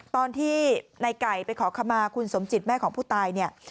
ตอนที่ในไก่ไปขอขมาคุณสมจิตแม่ของผู้ตายเนี่ย